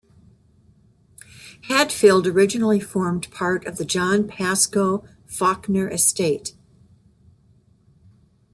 Hadfield originally formed part of the John Pascoe Fawkner estate.